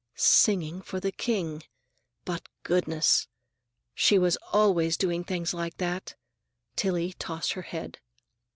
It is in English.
Singing for the King; but Goodness! she was always doing things like that! Tillie tossed her head.